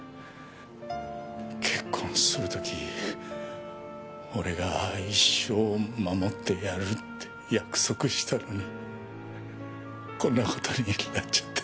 結婚する時俺が一生守ってやるって約束したのにこんな事になっちゃって。